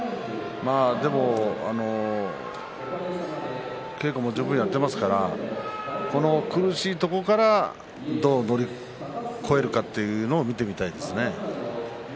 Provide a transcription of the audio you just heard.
でも稽古は十分やっていますから苦しいところからどう乗り越えるかということを見ていきたいですね。